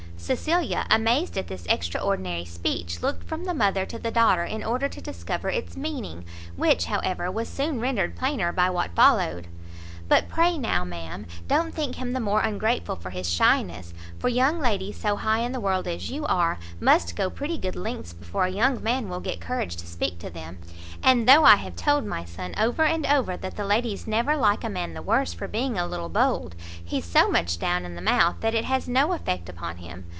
Cecilia, amazed at this extraordinary speech, looked from the mother to the daughter in order to discover its meaning, which, however, was soon rendered plainer by what followed. "But pray now, ma'am, don't think him the more ungrateful for his shyness, for young ladies so high in the world as you are, must go pretty good lengths before a young man will get courage to speak to them. And though I have told my son over and over that the ladies never like a man the worse for being a little bold, he's so much down in the mouth that it has no effect upon him.